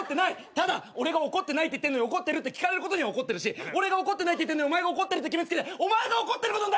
ただ俺が怒ってないって言ってんのに「怒ってる？」って聞かれることに怒ってるし俺が怒ってないって言ってんのにお前が怒ってるって決め付けてお前が怒ってることに対して怒ってる！